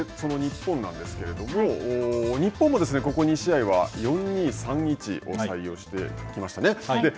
その日本なんですけれども、日本も、ここ２試合は４−２−３−１を採用してきました。